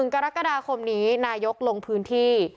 กรกฎาคมนี้นายกลงพื้นที่